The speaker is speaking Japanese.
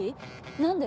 何で？